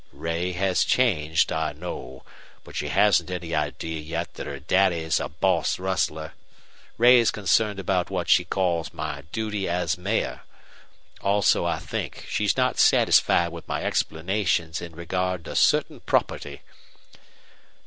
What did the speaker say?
"Ray has changed, I know. But she hasn't any idea yet that her daddy's a boss rustler. Ray's concerned about what she calls my duty as mayor. Also I think she's not satisfied with my explanations in regard to certain property."